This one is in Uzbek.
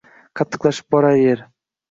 Qattiqlashib borar yer.